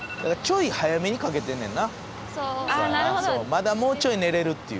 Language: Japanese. まだもうちょい寝れるっていう。